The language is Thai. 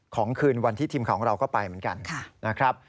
ของคืนวันที่ทีมข่าวของเราก็ไปเหมือนกัน